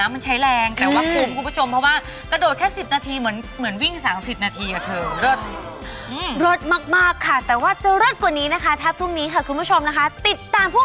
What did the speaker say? มันจะมีเก็นเม็ด